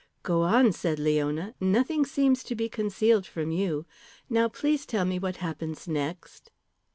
"Go on," said Leona. "Nothing seems to be concealed from you. Now please tell me what happens next."